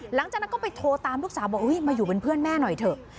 หลังจากนั้นก็ไปโทรตามลูกสาวบอกมาอยู่เป็นเพื่อนแม่หน่อยเถอะ